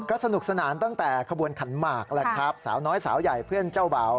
ก็สนุกสนานตั้งแต่ขบวนขันหมากแล้วครับสาวน้อยสาวใหญ่เพื่อนเจ้าเบา